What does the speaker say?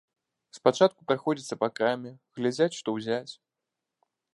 Спачатку праходзяцца па краме, глядзяць, што ўзяць.